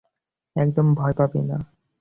একদম ভয় পাবি না।